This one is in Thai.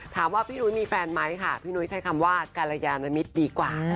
ถามว่าพี่หนุ้ยมีแฟนไหมค่ะพี่นุ้ยใช้คำว่ากรยานมิตรดีกว่า